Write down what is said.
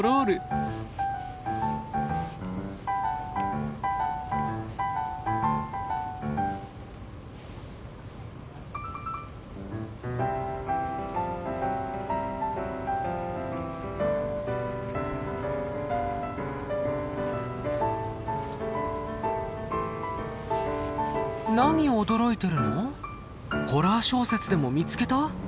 ホラー小説でも見つけた？